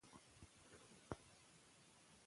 ملکیار د کلماتو په کارولو کې خپله ځانګړې لار لري.